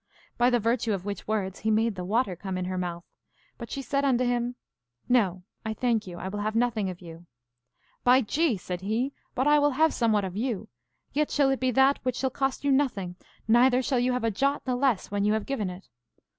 By the virtue of which words he made the water come in her mouth; but she said unto him, No, I thank you, I will have nothing of you. By G , said he, but I will have somewhat of you; yet shall it be that which shall cost you nothing, neither shall you have a jot the less when you have given it.